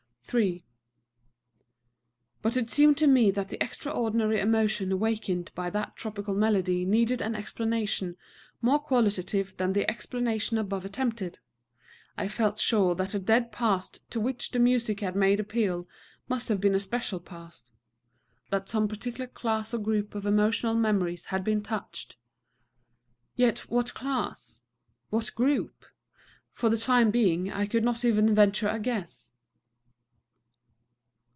III But it seemed to me that the extraordinary emotion awakened by that tropical melody needed an explanation more qualitative than the explanation above attempted. I felt sure that the dead past to which the music had made appeal must have been a special past, that some particular class or group of emotional memories had been touched. Yet what class? what group? For the time being, I could not even venture a guess.